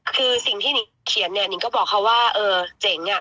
คือสิ่งที่นิงเขียนเนี่ยนิงก็บอกเขาว่าเออเจ๋งอ่ะ